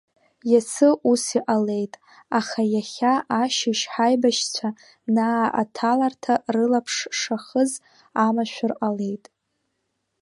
Иацы ус иҟалеит, аха иахьа ашьыжь ҳаибашьцәа Наа аҭаларҭа рылаԥш шахыз амашәыр ҟалеит…